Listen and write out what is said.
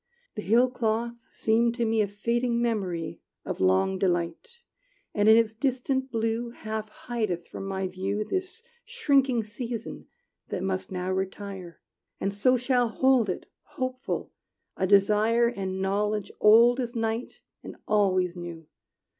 The hill cloth seem to me A fading memory Of long delight, And in its distant blue Half hideth from my view This shrinking season that must now retire; And so shall hold it, hopeful, a desire And knowledge old as night and always new.